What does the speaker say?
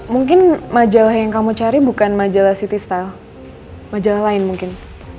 mungkin majalah yang kamu cari bukan majalah city style majalah lain mungkin